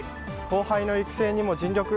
後輩の育成にも尽力。